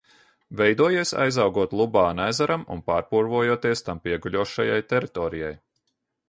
Veidojies, aizaugot Lubāna ezeram un pārpurvojoties tam pieguļošajai teritorijai.